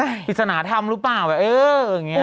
เออผิดสนาธรรมยังอยู่หรือเปล่า